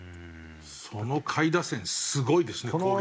その下位打線すごいですね攻撃。